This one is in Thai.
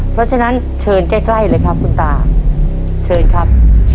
เพราะฉะนั้นเชิญใกล้เลยครับคุณตาเชิญครับ